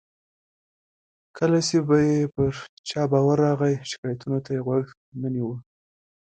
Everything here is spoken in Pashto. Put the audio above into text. کله چې به یې پر چا باور راغی، شکایتونو ته یې غوږ نه نیو.